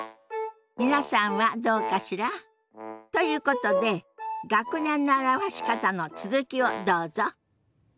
皆さんはどうかしら？ということで学年の表し方の続きをどうぞ。